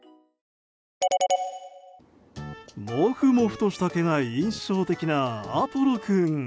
モフモフとした毛が印象的なアポロ君。